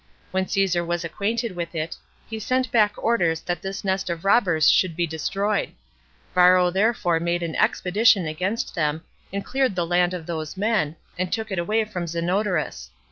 When Caesar was acquainted with it, he sent back orders that this nest of robbers should be destroyed. Varro therefore made an expedition against them, and cleared the land of those men, and took it away from Zenodorus.